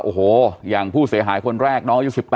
โอ้โหอย่างผู้เสียหายคนแรกน้องอายุ๑๘